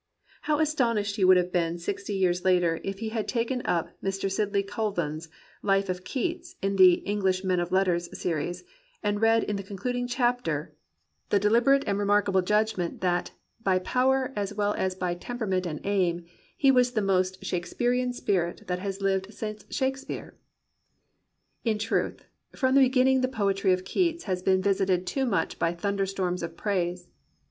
How astonished he would have been sixty years later if he had taken up Mr. Sidney Colvin's Life of KeatSy in the "English Men of Letters Series," and read in the concluding chapter the dehberate and 167 COMPANIONABLE BOOKS remarkable judgment that "by power, as well as by temperament and aim, he was the most Shake spearean spirit that has lived since Shakespeare '*! In truth, from the beginning the poetry of Keats has been visited too much by thunder stonns of praise.